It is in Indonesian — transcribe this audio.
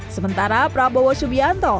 sementara prabowo subianto